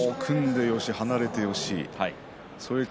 組んでよし離れてよし。